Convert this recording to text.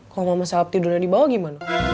kalo mama selep tidurnya di bawah gimana